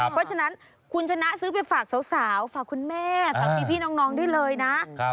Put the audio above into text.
เพราะฉะนั้นคุณชนะซื้อไปฝากสาวฝากคุณแม่ฝากพี่น้องได้เลยนะ